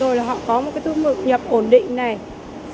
rồi là họ có một cái thư mực nhập ổn định này